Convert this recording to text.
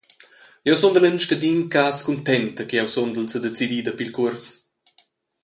Jeu sundel en scadin cass cuntenta che jeu sundel sedecidida pil cuors.